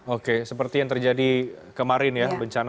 oke seperti yang terjadi kemarin ya bencana